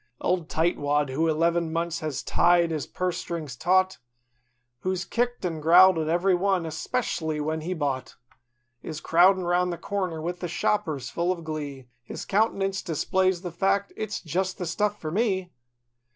Old Tightwad, who eleven months has tied his purse strings taut; Who's kicked an' growled at every one, espec'ly when he bought; Is crowdin' 'round the counter, with the shoppers, full of glee— His countenance displays the fact—"It's just the stuff for me."